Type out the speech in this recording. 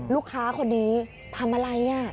ลูกค้าคนนี้ทำอะไร